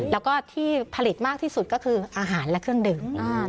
แล้วก็ที่ผลิตมากที่สุดก็คืออาหารและเครื่องดื่ม